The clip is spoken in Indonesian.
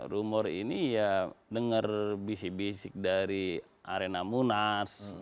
rumor ini ya denger bisik bisik dari arena munas